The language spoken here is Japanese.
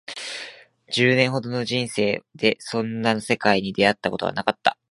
十年ほどの人生でそんな世界に出会ったことはなかった